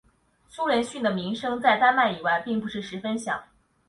苏连逊的名声在丹麦以外并不是十分响。